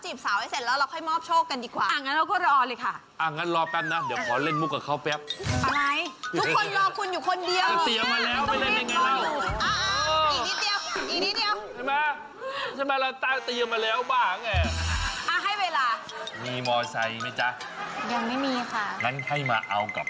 ครบัรเมียเด้อบางอ่ะอ้าให้เวลามีมอเฒษมีจระยังมี่มีค่ะงั้นให้มาเอากับ